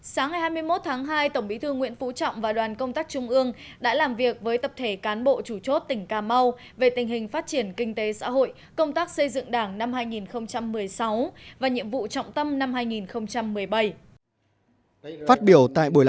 sáng hai mươi một tháng hai tổng bí thư nguyễn phú trọng và đoàn công tác trung ương đã làm việc với tập thể cán bộ chủ chốt tỉnh cà mau